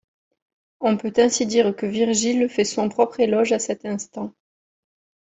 On peut ainsi dire que Virgile fait son propre éloge à cet instant.